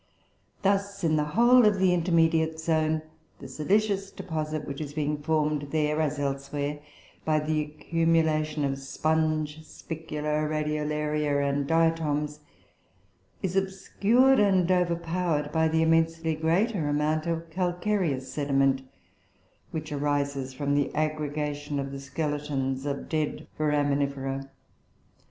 Thus, in the whole of the "intermediate zone," the silicious deposit which is being formed there, as elsewhere, by the accumulation of sponge spicula, Radiolaria, and Diatoms, is obscured and overpowered by the immensely greater amount of calcareous sediment, which arises from the aggregation of the skeletons of dead Foraminifera.